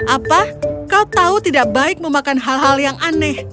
apa kau tahu tidak baik memakan hal hal yang aneh